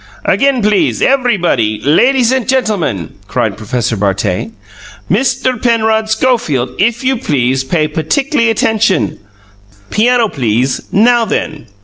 "Again, please, everybody ladies and gentlemen!" cried Professor Bartet. "Mister Penrod Schofield, if you please, pay puttickly attention! Piano, please! Now then!"